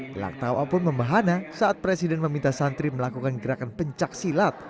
gelak tawa pun membahana saat presiden meminta santri melakukan gerakan pencaksilat